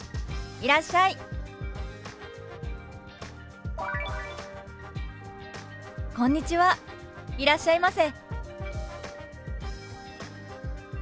いらっしゃいませ」。